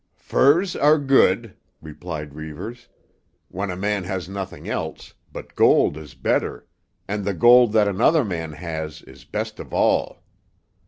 "Furs are good," replied Reivers, "when a man has nothing else, but gold is better, and the gold that another man has is best of all."